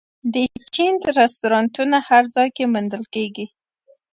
د چین رستورانتونه هر ځای کې موندل کېږي.